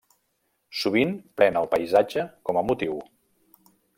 Sovint pren el paisatge com a motiu.